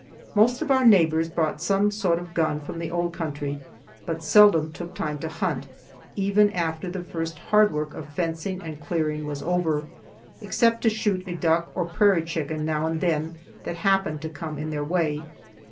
Most of our neighbors brought some sort of gun from the old country, but seldom took time to hunt, even after the first hard work of fencing and clearing was over, except to shoot a duck or prairie chicken now and then that happened to come in their way.